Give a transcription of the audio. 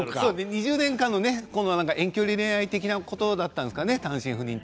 ２０年の遠距離恋愛的なことだったんですかね。